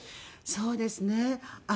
そうですね。